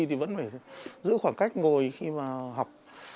thì vẫn phải giữ khoảng cách ngồi khi mà học